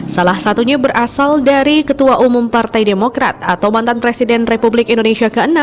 salah satunya berasal dari ketua umum partai demokrat atau mantan presiden republik indonesia ke enam